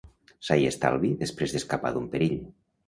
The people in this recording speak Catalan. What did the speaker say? Sa i estalvi, després d'escapar d'un perill.